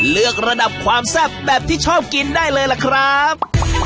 ระดับความแซ่บแบบที่ชอบกินได้เลยล่ะครับ